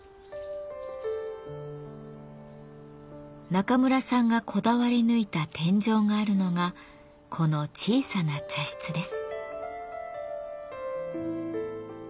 中村さんがこだわりぬいた天井があるのがこの小さな茶室です。